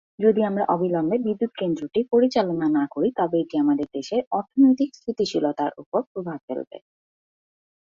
যদি আমরা অবিলম্বে বিদ্যুৎ কেন্দ্রটি পরিচালনা না করি তবে এটি আমাদের দেশের অর্থনৈতিক স্থিতিশীলতার উপর প্রভাব ফেলবে।